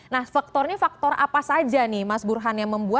nah faktornya faktor apa saja nih mas burhan yang membuat